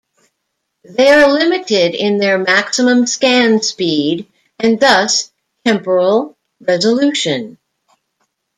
They are limited in their maximum scan speed and thus temporal resolution.